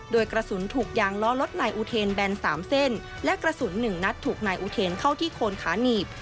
โดยกระสุนถูกยางล้อรถนายอูเทนแบน๓เส้นและกระสุน๑นัดถูกนายอุเทนเข้าที่โคนขาหนีบ